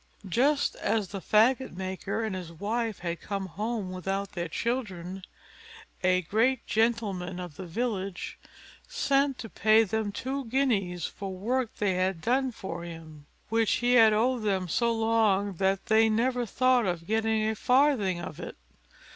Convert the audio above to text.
Just as the faggot maker and his wife had come home without their children, a great gentleman of the village sent to pay them two guineas, for work they had done for him, which he had owed them so long that they never thought of getting a farthing of it.